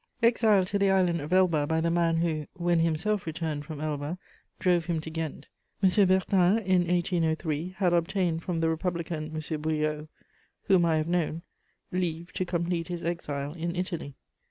Exiled to the island of Elba by the man who, when himself returned from Elba, drove him to Ghent, M. Bertin, in 1803, had obtained from the Republican M. Briot, whom I have known, leave to complete his exile in Italy.